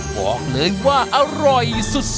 บอกเลยว่าอร่อยสุด